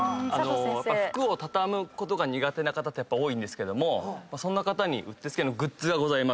服を畳むことが苦手な方ってやっぱ多いんですけどもそんな方にうってつけのグッズがございまして。